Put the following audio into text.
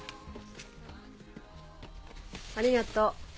ありがと。